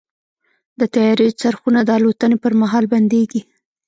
د طیارې څرخونه د الوتنې پر مهال بندېږي.